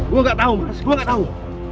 gue gak tau mas gue gak tau